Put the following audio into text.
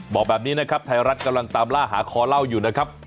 บอกแบบนี้นะครับไทยรัฐกำลังตามล่าหาคอเล่าอยู่นะครับ